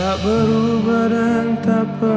aku merepotin kamu iya